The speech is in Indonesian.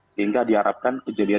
sehingga diharapkan kejadian